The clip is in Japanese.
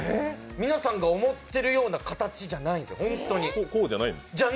皆さんが思ってるような形じゃないんです。